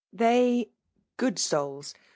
They, good soiils !